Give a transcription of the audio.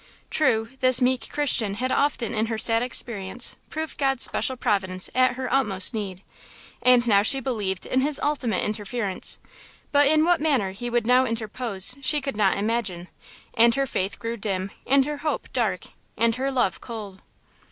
True, this meek Christian had often in her sad experience proved God's special providence at her utmost need, and now she believed in His ultimate interference, but in what manner He would now interpose she could not imagine, and her faith grew dim and her hope dark and her love cold.